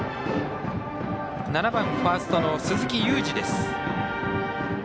７番ファーストの鈴木勇司です。